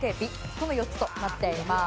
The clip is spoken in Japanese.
この４つとなっています。